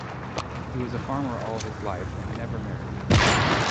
He was a farmer all his life and never married.